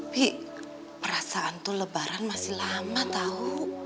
bi perasaan tuh lebaran masih lama tau